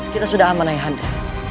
kita sudah aman ayah anda